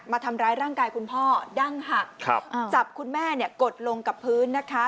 มาทำร้ายร่างกายคุณพ่อดั้งหักจับคุณแม่กดลงกับพื้นนะคะ